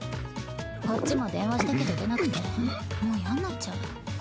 こっちも電話したけど出なくてもうやんなっちゃう。